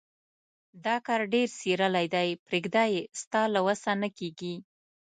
دا کار ډېر څيرلی دی. پرېږده يې؛ ستا له وسه نه کېږي.